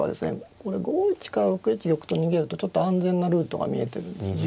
これ５一から６一玉と逃げるとちょっと安全なルートが見えてるんですね。